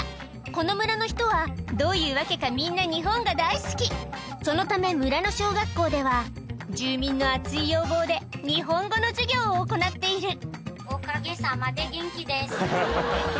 この村の人はどういう訳かみんな日本が大好きそのため村の小学校では住民のあつい要望で日本語の授業を行っている